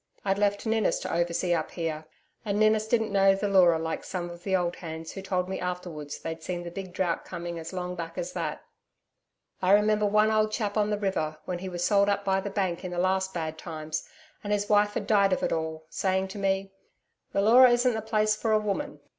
I'd left Ninnis to oversee up here, and Ninnis didn't know the Leura like some of the old hands, who told me afterwards they'd seen the big drought coming as long back as that. I remember one old chap on the river, when he was sold up by the Bank in the last bad times, and his wife had died of it all, saying to me, 'The Leura isn't the place for a woman.'